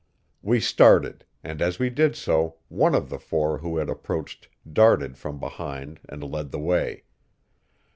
We started, and as we did so one of the four who had approached darted from behind and led the way.